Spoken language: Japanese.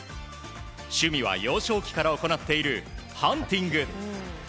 趣味は幼少期から行っているハンティング。